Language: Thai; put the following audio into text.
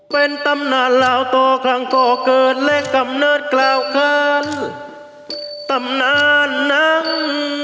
เป็นตำนานลาวต่อครั้งก่อเกิดและกำเนิดกล่าวคันตำนานหนัง